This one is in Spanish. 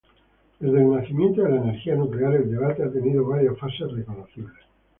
Desde el nacimiento de la energía nuclear el debate ha tenido varias fases reconocibles.